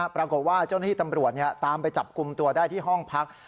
ปรากฏว่าเจ้าหน้าที่ตำรวจตามไปจับกลุ่มตัวได้ที่ห้องพัก